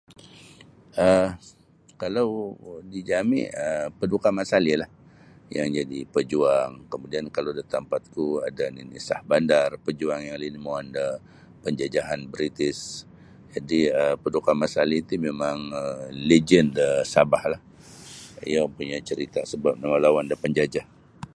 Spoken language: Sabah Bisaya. um Kalau di jami um paduka Mat Salleh lah yang jadi pajuang kamudian kalau da tampat ku ada nini Shahbandar pajuang yang linimauan da panjajahan British jadi um paduka Mat Salleh ti mimang um legend da Sabah lah iyo punya carita sabab malawan da penjajah.